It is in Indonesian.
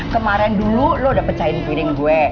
kemarin dulu ibu sudah pecahkan piring ibu